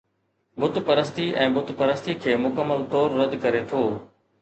بت پرستي ۽ بت پرستي کي مڪمل طور رد ڪري ٿو